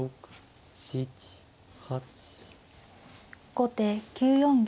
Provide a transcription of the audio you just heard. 後手９四玉。